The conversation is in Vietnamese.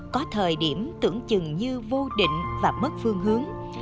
có thời điểm tưởng chừng như vô định và mất phương hướng